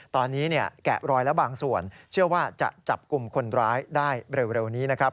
ตอนนี้แกะรอยแล้วบางส่วนเชื่อว่าจะจับกลุ่มคนร้ายได้เร็วนี้นะครับ